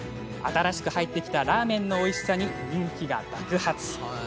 新しく入ってきたラーメンのおいしさに人気が爆発。